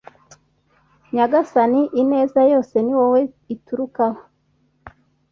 nyagasani, ineza yose ni wowe iturukaho